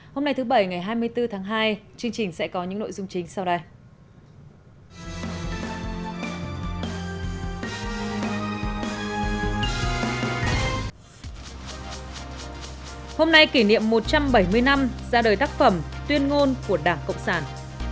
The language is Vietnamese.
hôm nay kỷ niệm một trăm bảy mươi năm ra đời tác phẩm tuyên ngôn của đảng cộng sản